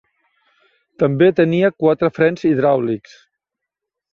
També tenia quatre frens hidràulics.